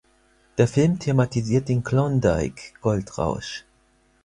Der Film thematisiert den Klondike-Goldrausch.